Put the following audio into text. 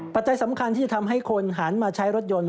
ปัจจัยสำคัญที่จะทำให้คนหันมาใช้รถยนต์